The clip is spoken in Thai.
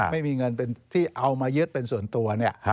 ไม่มีเงินที่เอามายึดเป็นส่วนตัวเนี่ย